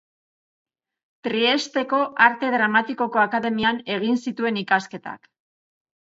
Triesteko Arte Dramatikoko Akademian egin zituen ikasketak.